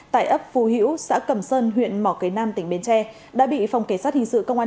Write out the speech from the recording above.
tại ấp phú hữu xã cầm sơn huyện mỏ cây nam tỉnh bến tre đã bị phòng kế sát hình sự công an